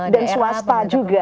dan swasta juga